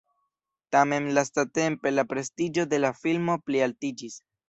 Tamen lastatempe la prestiĝo de la filmo plialtiĝis.